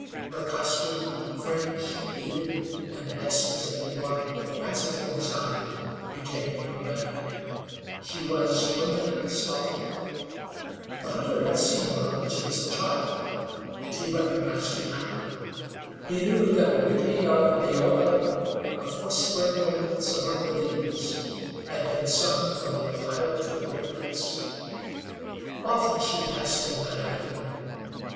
Her costume, fringed, beaded, and exquisitely wrought with fanciful design, betrayed her rank, she was Wingenund's daughter. The hunter had seen her when she was a child, and he recognized her now. He knew that the beauty of Aola, of Whispering Winds Among the Leaves, had been sung from the Ohio to the Great Lakes. Often she passed him that afternoon.